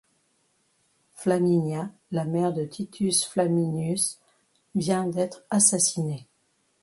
Flaminia, la mère de Titus Flaminius, vient d’être assassinée.